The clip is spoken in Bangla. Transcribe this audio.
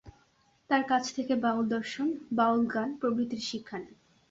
তার কাছ থেকে বাউল দর্শন, বাউল গান প্রভৃতির শিক্ষা নেন।